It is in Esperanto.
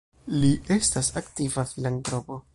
Li estis aktiva filantropo.